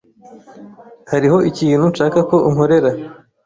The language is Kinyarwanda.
Hariho ikintu nshaka ko unkorera.